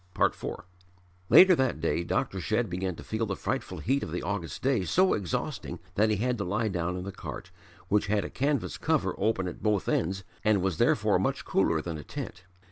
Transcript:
IV Later that day Dr. Shedd began to feel the frightful heat of the August day so exhausting that he had to lie down in the cart, which had a canvas cover open at both ends and was therefore much cooler than a tent.